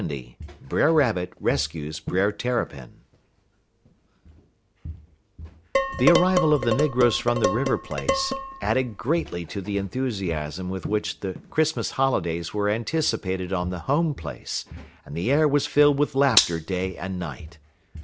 LXX BRER RABBIT RESCUES BRER TERRAPIN The arrival of the negroes from the River place added greatly to the enthusiasm with which the Christmas holidays were anticipated on the Home place, and the air was filled with laughter day and night.